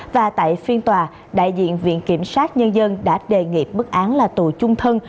và tại phiên tòa đại diện viện kiểm sát nhân dân đã đề nghị bức án là tù chung thân